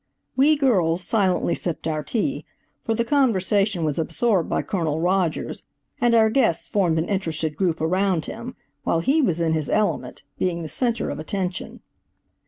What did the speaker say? We girls silently sipped our tea, for the conversation was absorbed by Colonel Rogers, and our guests formed an interested group around him, while he was in his element, being the center of attraction.